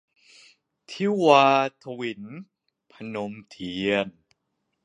ทิวาถวิล - พนมเทียน